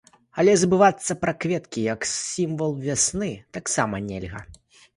Але забывацца пра кветкі як сімвал вясны таксама нельга!